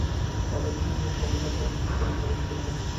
বাধা দিতে গেলে ক্রমে তাকে অকৃত্রিম করে তোলা হবে।